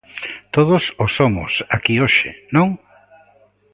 Todos o somos aquí hoxe, non?